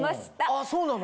あっそうなの？